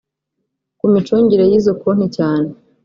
ku micungire y izo konti cyane